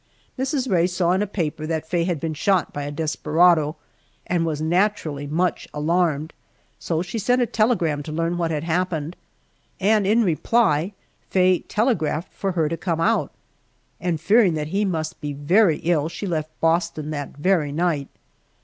Mrs. Rae saw in a paper that Faye had been shot by a desperado, and was naturally much alarmed, so she sent a telegram to learn what had happened, and in reply Faye telegraphed for her to come out, and fearing that he must be very ill she left Boston that very night.